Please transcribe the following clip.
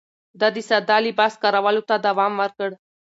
ده د ساده لباس کارولو ته دوام ورکړ.